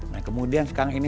nah kemudian sekarang ini